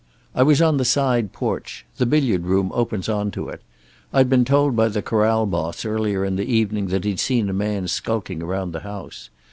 "I was on the side porch. The billiard room opens on to it. I'd been told by the corral boss earlier in the evening that he'd seen a man skulking around the house.